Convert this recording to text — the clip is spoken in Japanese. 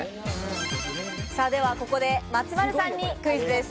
ではここで松丸さんにクイズです。